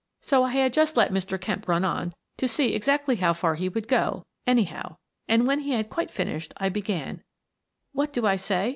So I had just let Mr. Kemp run on to see exactly how far he would go, anyhow, and when he had quite finished, I began : "What do I say?